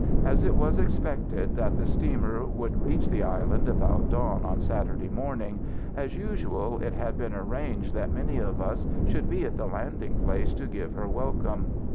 "As it was expected that the steamer would reach the island about dawn on Saturday morning, as usual, it had been arranged that many of us should be at the landing place to give her welcome.